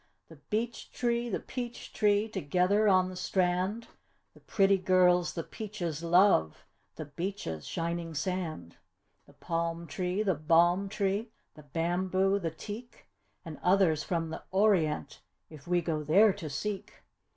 The beech tree, the peach tree together on the strand; The pretty girls the "peaches" love the "beaches'" shining sand. The palm tree, the balm tree, the bamboo, the teak; And others from the Orient if we go there to seek.